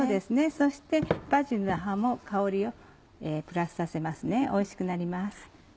そしてバジルの葉も香りをプラスさせますねおいしくなります。